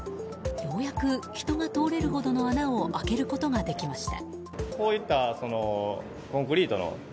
ようやく人が通れるほどの穴を開けることができました。